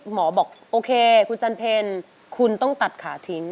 บอกโอเคคุณจันเพลคุณต้องตัดขาทิ้ง